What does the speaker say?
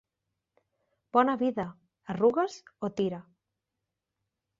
Bona vida, arrugues o tira.